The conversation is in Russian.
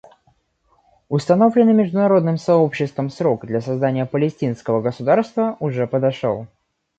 Установленный международным сообществом срок для создания палестинского государства уже подошел.